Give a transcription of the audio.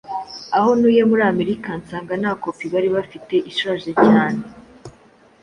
aho ntuye muri Amerika, nsanga na kopi bari bafite ishaje cyane